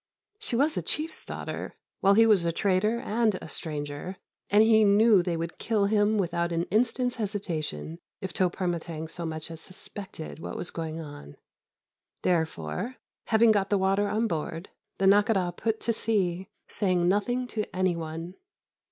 She was a chief's daughter, while he was a trader and a stranger, and he knew they would kill him without an instant's hesitation if Toh Permâtang so much as suspected what was going on. Therefore, having got the water on board, the Nakhôdah put to sea, saying nothing to any one.